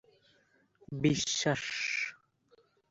সেকারণে অচিরেই নেতাদের নজরে আসেন।